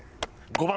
５番。